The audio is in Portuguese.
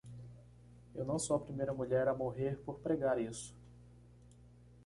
Eu não sou a primeira mulher a morrer por pregar isso.